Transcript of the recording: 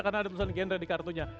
karena ada tulisan gendre di kartunya